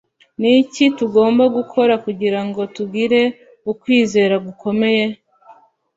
Ni iki tugomba gukora kugira ngo tugire ukwizera gukomeye